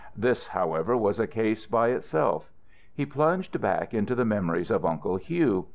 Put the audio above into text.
This, however, was a case by itself. He plunged back into the memories of Uncle Hugh.